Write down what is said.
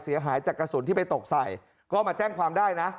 เสียหายจากกระสุนที่ไปตกใส่ก็มาแจ้งความได้นะ